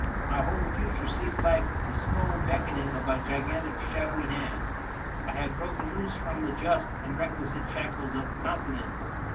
My whole future seemed like the slow beckoning of a gigantic shadowy hand. I had broken loose from the just and requisite shackles of continence. ..